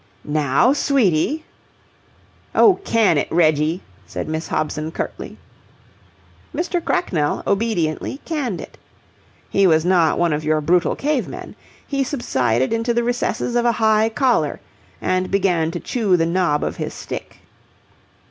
"Now, sweetie!" "Oh, can it, Reggie!" said Miss Hobson, curtly. Mr. Cracknell obediently canned it. He was not one of your brutal cave men. He subsided into the recesses of a high collar and began to chew the knob of his stick.